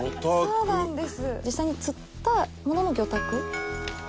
そうなんです！